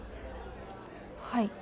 はい